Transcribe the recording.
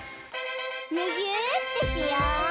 むぎゅーってしよう！